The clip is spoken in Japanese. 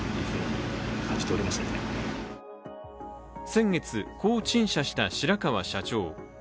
先月、こう陳謝した白川社長。